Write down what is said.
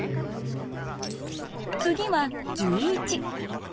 次は１１。